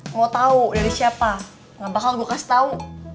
mau tau dari siapa nggak bakal gue kasih tau